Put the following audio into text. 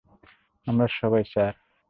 আমরা সবাই, স্যার।